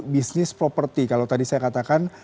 bisnis properti kalau tadi saya katakan